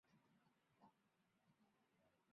他是那个时代最杰出的政治家和军事家之一。